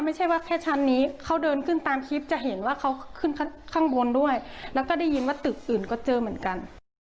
ไม่ใช่ว่าแค่ชั้นนี้เขาเดินขึ้นตามคลิปจะเห็นว่าเขาขึ้นข้างบนด้วยแล้วก็ได้ยินว่าตึกอื่นก็เจอเหมือนกัน